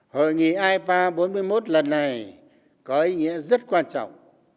hội nghị ipa bốn mươi một lần này có ý nghĩa rất quan trọng